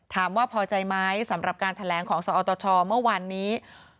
ถามว่าพอใจไหมสำหรับการแถลงของสอตชเมื่อวานนี้